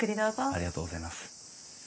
ありがとうございます。